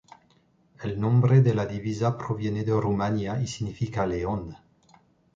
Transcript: El nombre de la divisa proviene de Rumania y significa "león".